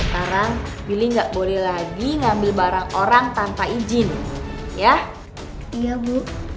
eh jangan lagi